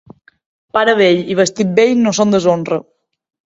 Pare vell i vestit vell no són deshonra.